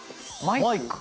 マイク？